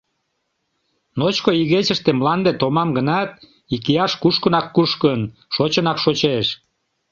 Ночко игечыште мланде томам гынат, икияш кушкынак-кушкын, шочынак-шочеш.